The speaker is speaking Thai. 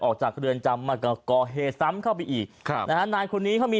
ออกจากเรือนจำมาก็ก่อเหตุซ้ำเข้าไปอีกครับนะฮะนายคนนี้เขามี